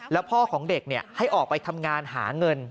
แล้วพ่อของเด็กให้ออกไปทำงานหาเงิน